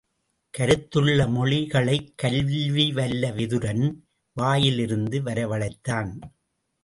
கருத்துள்ள மொழி களைக் கல்வி வல்ல விதுரன் வாயில் இருந்து வரவழைத்தான்.